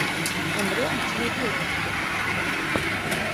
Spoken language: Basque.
Andrea atxilotu egin dute.